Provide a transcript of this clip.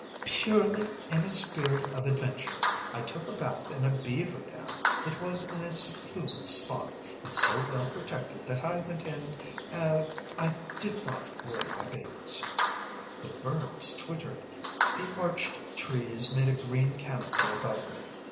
"Purely in a spirit of adventure, I took a bath in a beaver dam. It was in a secluded spot, and so well protected that I went in er I did not wear my bathing suit. The birds twittered. The arched trees made a green canopy above me.